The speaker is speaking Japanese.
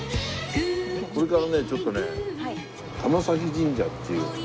これからねちょっとね玉前神社っていう。